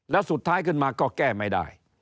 แล้วสุดท้ายขึ้นมาก็แก้ไม่ได้